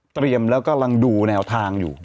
เตรียมแล้วกำลังดูแนวทางอยู่